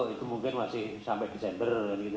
itu mungkin masih sampai desember